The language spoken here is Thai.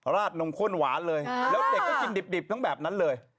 ราดนมข้นหวานเลยแล้วเด็กก็กินดิบทั้งแบบนั้นเลย